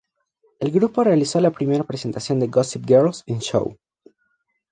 El grupo realizó la primera presentación de "Gossip Girls" en Show!